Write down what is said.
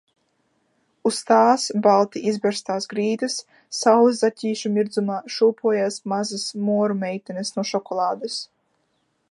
Uz tās, balti izberztās grīdas, saules zaķīšu mirdzumā, šūpojās mazas moru meitenes no šokolādes.